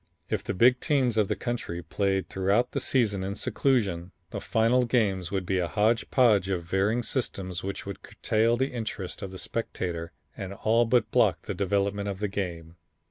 If the big teams of the country played throughout the season in seclusion, the final games would be a hodge podge of varying systems which would curtail the interest of the spectator and all but block the development of the game.